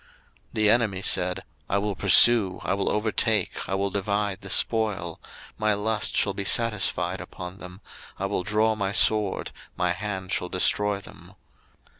02:015:009 The enemy said, I will pursue, I will overtake, I will divide the spoil; my lust shall be satisfied upon them; I will draw my sword, my hand shall destroy them.